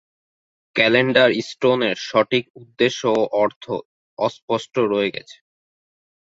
Calendar স্টোনের সঠিক উদ্দেশ্য ও অর্থ অস্পষ্ট রয়ে গেছে।